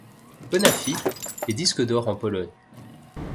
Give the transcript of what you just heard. Bonafied est disque d'or en Pologne.